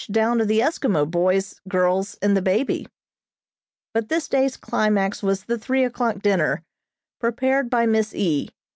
down to the Eskimo boys, girls and the baby. But this day's climax was the three o'clock dinner, prepared by Miss E.